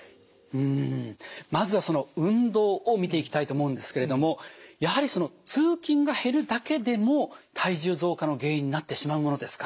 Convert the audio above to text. うんまずはその運動を見ていきたいと思うんですけれどもやはり通勤が減るだけでも体重増加の原因になってしまうものですか？